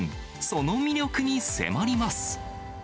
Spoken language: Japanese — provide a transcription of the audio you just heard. その魅力に迫ります。